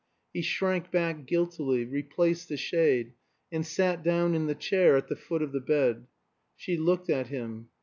He shrank back guiltily, replaced the shade, and sat down in the chair at the foot of the bed. She looked at him.